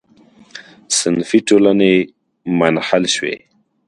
صنفي ټولنې منحل شوې.